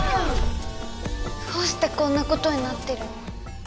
どうしてこんなことになってるの？